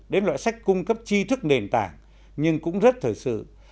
đến loại sách cung cấp chi thức nền tảng nhưng cũng rất thời sự